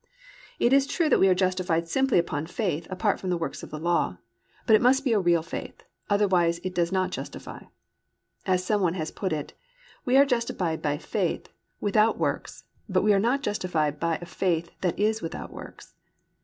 _ It is true that we are justified simply upon faith apart from the works of the law, but it must be a real faith, otherwise it does not justify. As some one has put it, "We are justified by faith without works, but we are not justified by a faith that is without works."